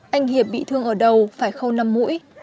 anh hiệp bị thương ở đầu phải khâu năm mũi